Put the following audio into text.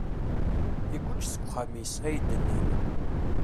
Igguǧ seg uxxam-is, ay d-nnan.